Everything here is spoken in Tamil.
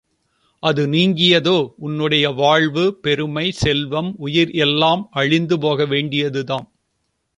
அது நீங்கியதோ, உன்னுடைய வாழ்வு பெருமை, செல்வம், உயிர் எல்லாம் அழிந்து போக வேண்டியதுதாம்.